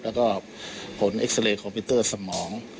แล้วก็ผลเอ็กซาเรย์คอมพิวเตอร์สมอง